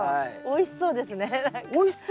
おいしそうですね何か。